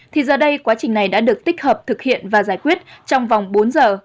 thì giờ đây quá trình này đã được tích hợp thực hiện và giải quyết trong vòng bốn giờ